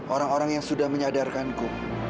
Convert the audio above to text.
orang orang yang sudah menyadarkanku